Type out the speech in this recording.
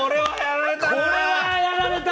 これはやられた！